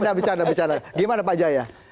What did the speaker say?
nah anda bicara gimana pak jaya